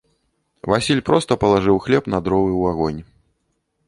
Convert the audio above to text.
Васіль проста палажыў хлеб на дровы ў агонь.